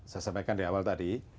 saya sampaikan di awal tadi